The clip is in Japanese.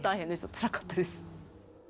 つらかったです。